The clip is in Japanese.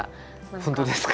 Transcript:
本当ですか？